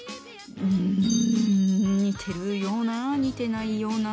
うん似てるような似てないような。